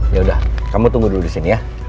yaudah kamu tunggu dulu disini ya